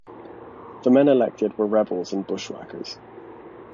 The men elected were rebels and bushwhackers.